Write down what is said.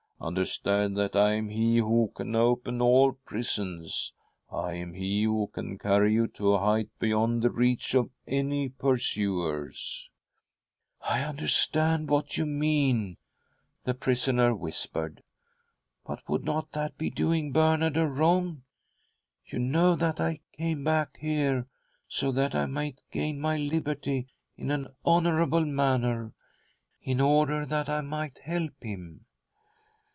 " Understand that I am he who can open all prisons ; I am he who can carry you to a height beyond the reach of any pursuers ?". "I understand what you mean,"' the prisoner whispered, " but would not that be doing Bernard a wrong ? You know that I came back .here so that I might gain my liberty in an honourable manner — in order that I might help him."